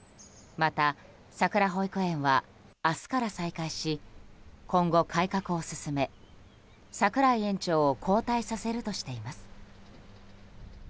また、さくら保育園は明日から再開し今後、改革を進め櫻井園長を交代させるとしています。